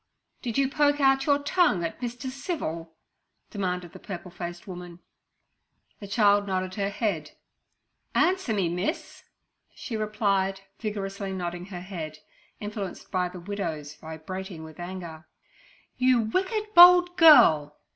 'Did you poke out your tongue at Mr. Civil?' demanded the purple faced woman. The child nodded her head. 'Answer me, miss!' stormed her aunt. She replied, vigorously nodding her head, influenced by the widow's vibrating with anger. 'You wicked, bold girl!